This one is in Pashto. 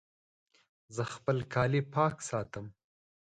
زه خپل کالي پاک ساتم.